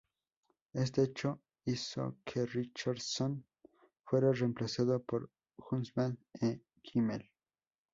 Este hecho hizo que Richardson fuera reemplazado por Husband E. Kimmel.